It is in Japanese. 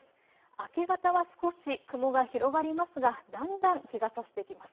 明け方は少し雲が広がりますがだんだん日がさしてきます。